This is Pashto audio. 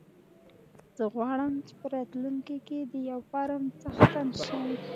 زه غواړم په راتلونکي کې د يو فارم څښتن شم.